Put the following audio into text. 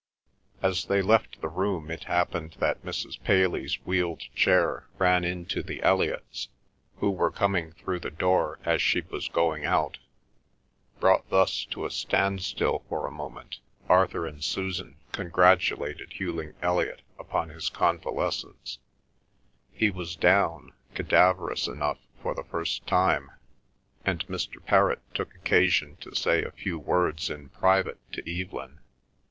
As they left the room it happened that Mrs. Paley's wheeled chair ran into the Elliots, who were coming through the door, as she was going out. Brought thus to a standstill for a moment, Arthur and Susan congratulated Hughling Elliot upon his convalescence,—he was down, cadaverous enough, for the first time,—and Mr. Perrott took occasion to say a few words in private to Evelyn.